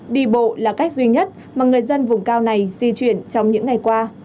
đi bộ là cách duy nhất mà người dân vùng cao này di chuyển trong những ngày qua